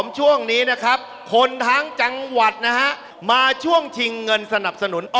ช่วงนี้คนที่จังหวัดมาช่วงชิงเงินสนับสนุน